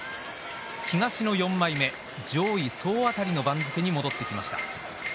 東の４枚目、上位総当たりの番付に戻ってきました。